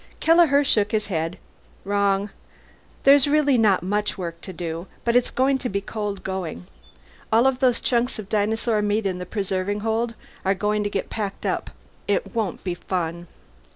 Kelleher shook his head. "Wrong. There's really not very much work. But it's going to be cold going. All those chunks of dinosaur meat in the preserving hold are going to get packed up. It won't be fun."